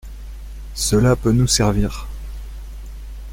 Cela peut nous servir…